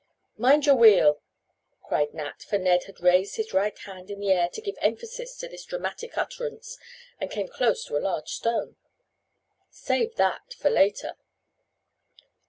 "Mind your wheel!" cried Nat, for Ned had raised his right hand in the air to give emphasis to his dramatic utterance and came close to a large stone. "Save that for later."